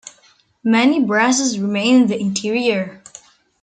Many brasses remain in the interior.